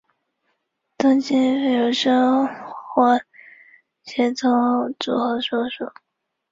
东京俳优生活协同组合所属。